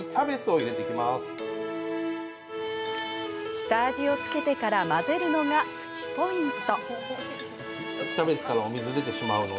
下味をつけてから混ぜるのがプチポイント。